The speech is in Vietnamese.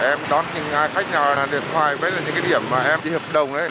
em đón những khách nhà điện thoại với những điểm mà em đi hợp đồng đấy